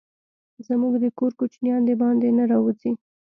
زموږ د کور کوچينان دباندي نه راوزي.